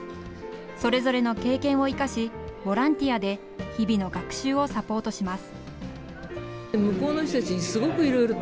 それぞれの経験を生かしボランティアで日々の学習をサポートします。